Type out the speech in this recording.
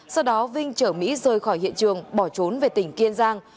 sau đó vinh chở mỹ rời khỏi hiện trường bỏ trốn về tỉnh kiên giang